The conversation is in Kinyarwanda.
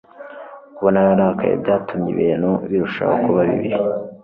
Kuba nararakaye byatumye ibintu birushaho kuba bibi